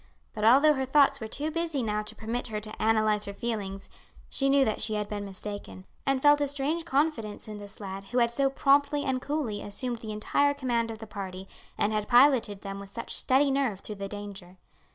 But although her thoughts were too busy now to permit her to analyse her feelings, she knew that she had been mistaken, and felt a strange confidence in this lad who had so promptly and coolly assumed the entire command of the party, and had piloted them with such steady nerve through the danger.